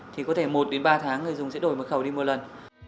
thì có thể một đến ba tháng người dùng sẽ đổi mật khẩu đi một lần